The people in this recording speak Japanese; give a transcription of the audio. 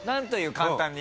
簡単に。